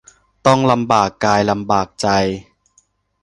ต้องลำบากกายลำบากใจ